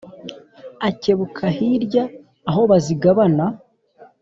Akebuka hirya aho bazigabana